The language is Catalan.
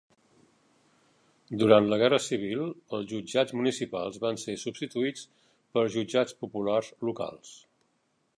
Durant la Guerra civil, els Jutjats Municipals van ser substituïts per Jutjats Populars Locals.